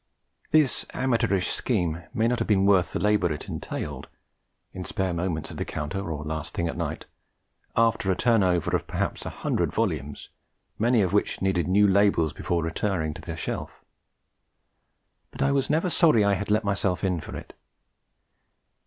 This amateurish scheme may not have been worth the labour it entailed, in spare moments at the counter or last thing at night, after a turn over of perhaps a hundred volumes, many of which needed new labels before retiring to the shelf. But I was never sorry I had let myself in for it.